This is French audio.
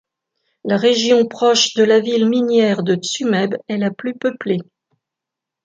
La région proche de la ville minière de Tsumeb est la plus peuplée.